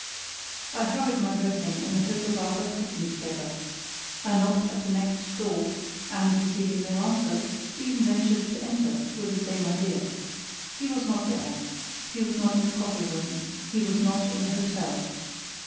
I hurried my dressing in the hope of our breakfasting together. I knocked at the next door, and, receiving no answer, even ventured to enter, with the same idea. He was not there. He was not in the coffee room. He was not in the hotel.